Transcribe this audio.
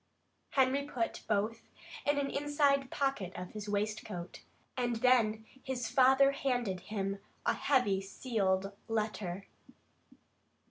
Harry put both in an inside pocket of his waistcoat, and then his father handed him a heavy sealed letter.